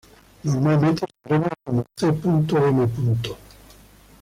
Normalmente se abrevia como c.m..